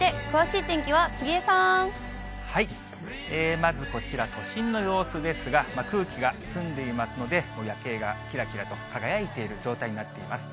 まずこちら、都心の様子ですが、空気が澄んでいますので、夜景がきらきらと輝いている状態になっています。